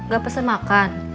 gak pesen makan